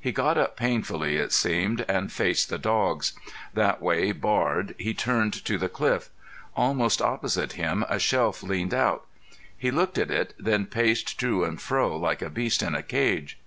He got up painfully it seemed, and faced the dogs. That way barred he turned to the cliff. Almost opposite him a shelf leaned out. He looked at it, then paced to and fro like a beast in a cage.